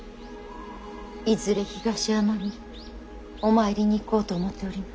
いずれ東山にお参りに行こうと思っております。